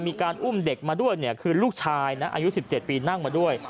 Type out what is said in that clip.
มีการอุ้มเด็กมาด้วยคือลูกชายนะอายุ๑๗ปีนั่งมาด้วย